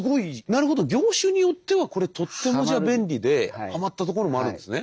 なるほど業種によってはこれとっても便利ではまったところもあるんですね。